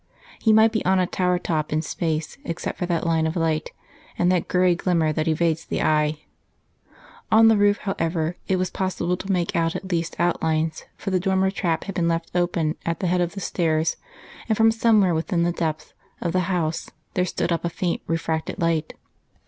He might be on a tower top in space, except for that line of light and that grey glimmer that evaded the eye. On the roof, however, it was possible to make out at least outlines, for the dormer trap had been left open at the head of the stairs, and from somewhere within the depths of the house there stole up a faint refracted light.